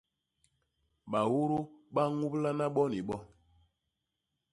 Baudu ba ñublana bo ni bo.